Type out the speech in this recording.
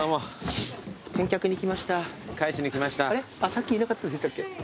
さっきいなかったでしたっけ？